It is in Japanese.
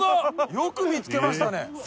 よく見つけましたね。